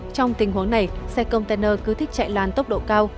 trong tình huống này xe container cứ thích chạy làn tốc độ cao